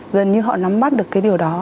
gần như họ nắm bắt được cái điều đó